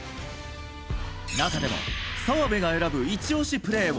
中でも、澤部が選ぶイチ押しプレーは？